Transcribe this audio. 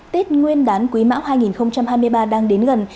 tết nguyên đán quý mão hai nghìn hai mươi ba đang đến gần